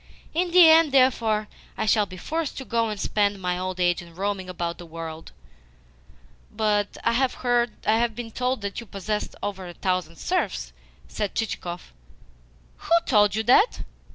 In the end, therefore, I shall be forced to go and spend my old age in roaming about the world." "But I have been told that you possess over a thousand serfs?" said Chichikov. "Who told you that?